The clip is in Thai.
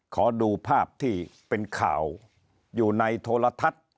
ขอดูภาพที่เป็นข่าวอยู่ในโทรทัศน์